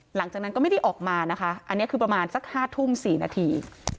หลังจากนั้นก็ไม่ได้ออกมานะคะอันนี้คือประมาณสัก๕ทุ่ม๔นาที